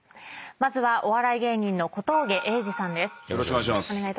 まずはお笑い芸人の小峠英二さんです。